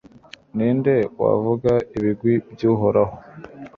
Ni nde wavuga ibigwi by’Uhoraho